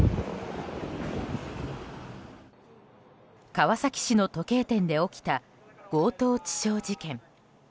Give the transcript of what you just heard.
川崎市の時計店で起きた強盗致傷事件。